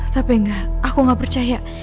tapi enggak aku gak percaya